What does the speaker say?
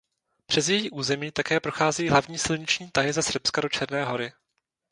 Přes její území také procházejí hlavní silniční tahy ze Srbska do Černé Hory.